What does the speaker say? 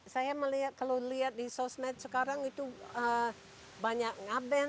saya melihat kalau lihat di sosmed sekarang itu banyak ngaben